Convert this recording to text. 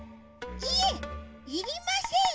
いえいりません。